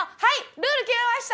ルール決めました！